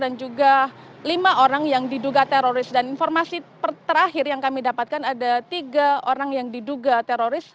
dan informasi terakhir yang kami dapatkan ada tiga orang yang diduga teroris dan informasi terakhir yang kami dapatkan ada tiga orang yang diduga teroris